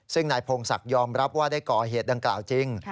ซึ่งนายพงศักดิ์ยอมรับว่าได้ก่อเหตุดังกล่าวจริง